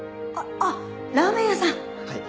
はい。